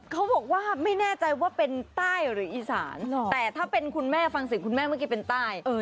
เขาบอกว่าไม่แน่ใจว่าเป็นใต้หรืออีสานแต่ถ้าเป็นคุณแม่ฟังเสียงคุณแม่เมื่อกี้เป็นใต้